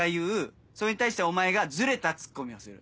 それに対してお前がズレたツッコミをする。